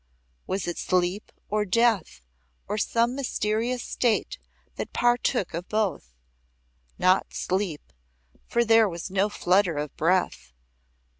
Was it sleep or death or some mysterious state that partook of both? Not sleep, for there was no flutter of breath.